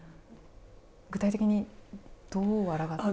具体的に、どうあらがって。